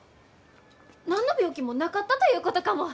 何の病気もなかったということかも！